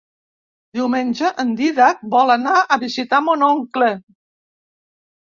Diumenge en Dídac vol anar a visitar mon oncle.